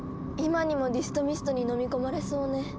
今にもディストミストにのみ込まれそうね。